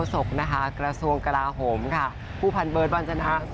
พูโคศกกระทรวงกราโฮมผู้พันเบิดวัญชนะสวัสดีค่ะ